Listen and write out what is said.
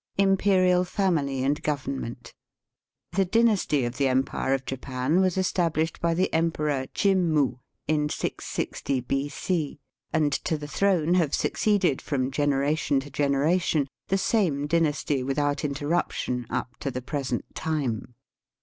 Imperial Family and Government. — The dynasty of the empire of Japan was estab lished by the Emperor Jimmu, in 660 B.C., and to the throne have succeeded, from gene ration to generation, the same dynasty with out interruption up to the present time.